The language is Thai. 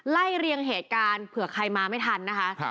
ไล่เรียงเหตุการณ์เผื่อใครมาไม่ทันนะคะ